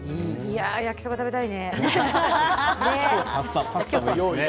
焼きそば食べたいね。